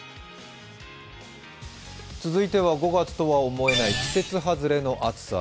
続いては５月とは思えない季節外れの暑さ。